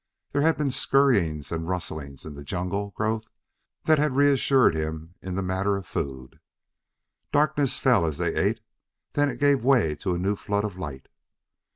There had been scurryings and rustlings in the jungle growth that had reassured him in the matter of food. Darkness fell as they ate; then it gave way to a new flood of light.